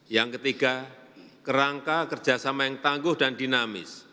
yang ketiga kerangka kerjasama yang tangguh dan dinamis